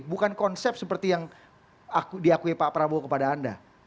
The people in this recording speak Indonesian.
bukan konsep seperti yang diakui pak prabowo kepada anda